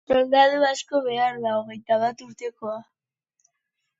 Soldadu asko behar da, hogeita bat urtekoak.